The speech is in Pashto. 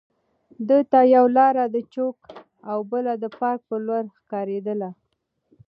ده ته یوه لار د چوک او بله د پارک په لور ښکارېده.